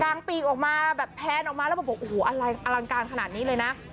งปีกออกมาแบบแพนออกมาแล้วบอกโอ้โหอลังการขนาดนี้เลยนะ